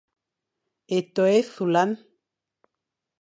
Étô é sughlana.